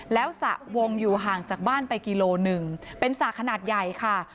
แล้วสระวงอยู่ห่างจากบ้านไปกิโลหนึ่งเป็นสระขนาดใหญ่ค่ะ